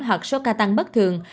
hoặc số ca tăng bất thường